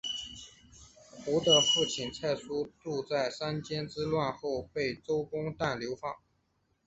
胡的父亲蔡叔度在三监之乱后被周公旦流放。